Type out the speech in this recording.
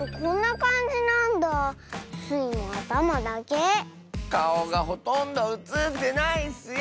かおがほとんどうつってないッスよ。